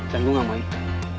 dan gue gak mau itu